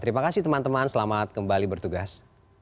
terima kasih teman teman selamat kembali bertugas